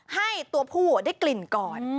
ให้ตัวผู้ได้กลิ่นก่อน